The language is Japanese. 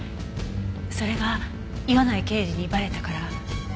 それが岩内刑事にバレたから。